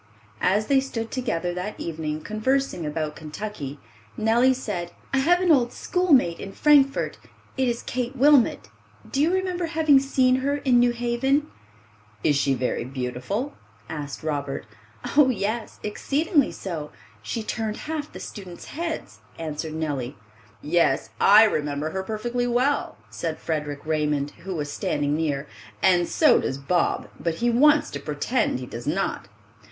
As they stood together that evening conversing about Kentucky, Nellie said, "I have an old schoolmate in Frankfort. It is Kate Wilmot. Do you remember having seen her in New Haven?" "Is she very beautiful?" asked Robert. "Oh, yes, exceedingly so. She turned half the students' heads," answered Nellie. "Yes, I remember her perfectly well," said Frederic Raymond, who was standing near, "and so does Bob, but he wants to pretend he does not.